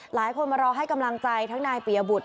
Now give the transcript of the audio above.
หลายคนมารอให้กำลังใจทั้งนายปียบุตร